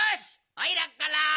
おいらから！